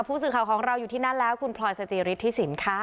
ผู้สื่อข่าวของเราอยู่ที่นั่นแล้วคุณพลอยสจิฤทธิสินค่ะ